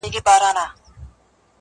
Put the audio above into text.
وچې سولې اوښکي ګرېوانونو ته به څه وایو،